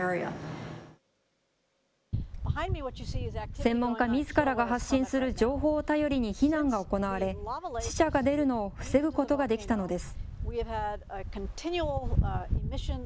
専門家みずからが発信する情報を頼りに避難が行われ、死者が出るのを防ぐことができたのです。